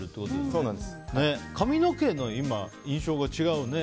今、髪の毛の印象が違うね。